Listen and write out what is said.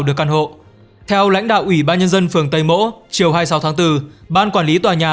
được căn hộ theo lãnh đạo ủy ban nhân dân phường tây mỗ chiều hai mươi sáu tháng bốn ban quản lý tòa nhà